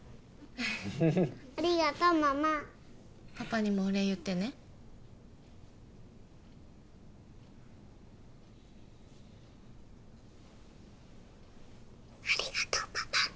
ありがとうママパパにもお礼言ってねありがとうパパ